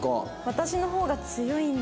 「私の方が強いんだ」